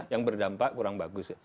yang berdampak kurang bagus